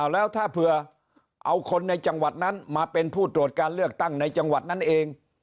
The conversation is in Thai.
แล้วถ้าเผื่อเอาคนในจังหวัดนั้นมาเป็นผู้ตรวจการเลือกตั้งในจังหวัดนั้นเอง